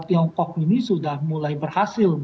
tiongkok ini sudah mulai berhasil